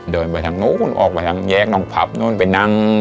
เดินไปทางนู้นออกไปทางแยกน้องผับนู่นไปนั่ง